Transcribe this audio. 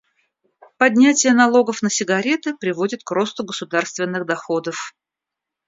Поднятие налогов на сигареты приводит к росту государственных доходов.